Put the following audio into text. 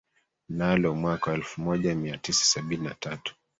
nalo mwaka wa elfumoja miatisa sabini na tatu